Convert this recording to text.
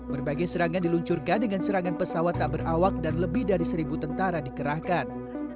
berbagai serangan diluncurkan dengan serangan pesawat tak berawak dan lebih dari seribu tentara dikerahkan